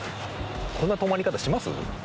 こんな止まり方します？